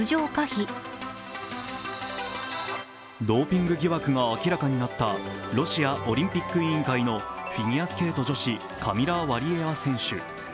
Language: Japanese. ドーピング疑惑が明らかになったロシアオリンピック委員会のフィギュアスケート女子、カミラ・ワリエワ選手。